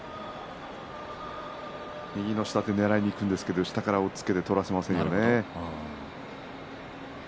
右の下手をねらいにいくんですが下から押っつけて取らせませんよね。